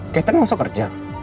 catherine langsung kerja